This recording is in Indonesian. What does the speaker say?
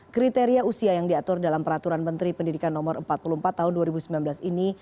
kriteria usia yang diatur dalam peraturan menteri pendidikan no empat puluh empat tahun dua ribu sembilan belas ini